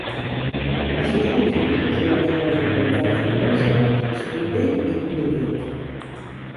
Els seus municipis més grans són les localitats de Lewisporte, Springdale i Twillingate.